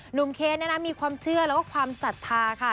หนุ่มเคนเนี่ยนะมีความเชื่อและความสัทธาค่ะ